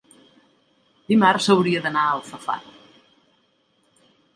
Dimarts hauria d'anar a Alfafar.